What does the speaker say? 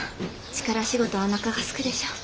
力仕事はおなかがすくでしょう？